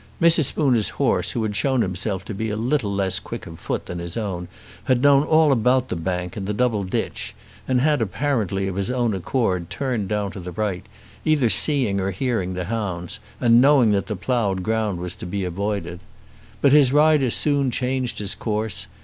Mrs. Spooner's horse, who had shown himself to be a little less quick of foot than his own, had known all about the bank and the double ditch, and had, apparently of his own accord, turned down to the right, either seeing or hearing the hounds, and knowing that the ploughed ground was to be avoided. But his rider soon changed his course.